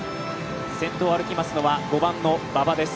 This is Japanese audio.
先頭を歩きますのは５番の馬場です